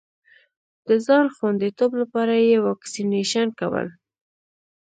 د ځان خوندیتوب لپاره یې واکسېنېشن کول.